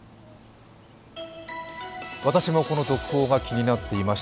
私もこの続報が気になっていました。